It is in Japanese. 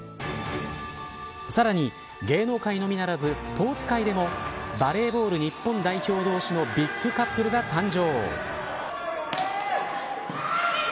さらに、芸能界のみならずスポーツ界でもバレーボール日本代表同士のビッグカップルが誕生。